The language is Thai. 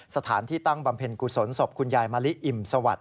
สถานที่ตั้งบำเพ็ญกุศลศพคุณยายมะลิอิ่มสวัสดิ